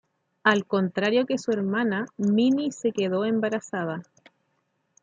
Al contrario que su hermana, Minnie se quedó embarazada.